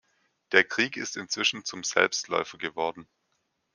Der Krieg ist inzwischen zum Selbstläufer geworden.